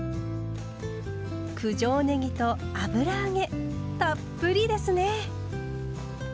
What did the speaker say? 九条ねぎと油揚げたっぷりですね。